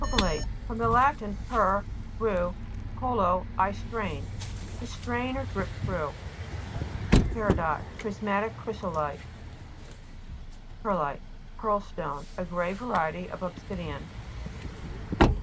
PERCOLATE fr. lat. per, through, co/o, I strain. To strain or drip through. PE'RIDOT Prismatic chrysolite (p. 121). PE'RLITE Pearlstone, a gray variety of obsidian.